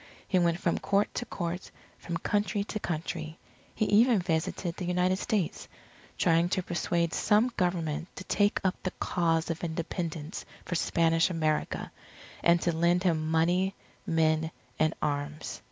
He went from Court to Court, from Country to Country he even visited the United States trying to persuade some Government to take up the cause of Independence for Spanish America, and to lend him money, men, and arms.